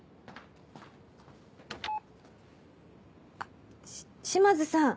あ島津さん